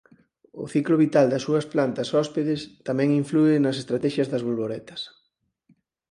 O ciclo vital das súas plantas hóspedes tamén inflúe nas estratexias das bolboretas.